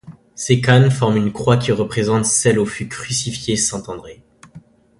Ces cannes forment une croix qui représente celle où fut crucifié saint André.